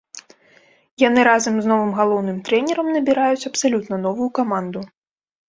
Яны разам з новым галоўным трэнерам набіраюць абсалютна новую каманду.